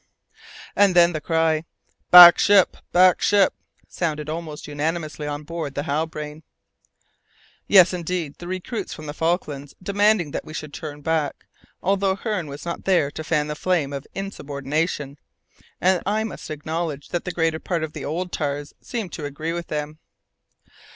And then the cry, "Back ship! back ship!" resounded almost unanimously on board the Halbrane. Yes, indeed, the recruits from the Falklands were demanding that we should turn back, although Hearne was not there to fan the flame of insubordination, and I must acknowledge that the greater part of the old tars seemed to agree with them.